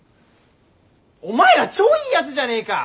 お前ら超いいやつじゃねえか！